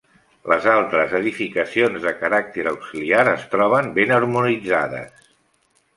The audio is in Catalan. Les altres edificacions, de caràcter auxiliar es troben ben harmonitzades.